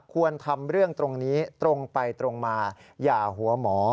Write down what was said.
ควรทำเรื่องตรงนี้ตรงไปตรงมาอย่าหัวหมอ